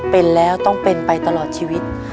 เป็นแล้วต้องเป็นไปตลอดชีวิต